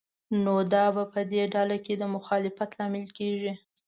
نو دا په دې ډله کې د مخالفت لامل کېږي.